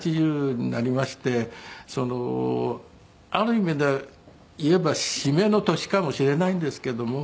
８０になりましてある意味でいえば締めの年かもしれないんですけども。